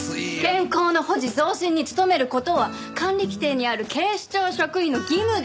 健康の保持増進に努める事は管理規程にある警視庁職員の義務です。